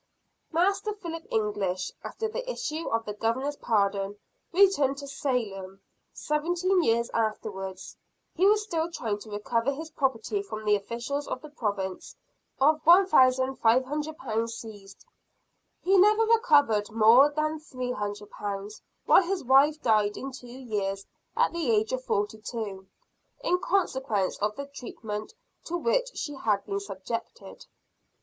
Master Philip English, after the issue of the Governor's pardon, returned to Salem. Seventeen years afterwards, he was still trying to recover his property from the officials of the Province. Of £1500 seized, he never recovered more than £300; while his wife died in two years, at the age of forty two, in consequence of the treatment to which she had been subjected.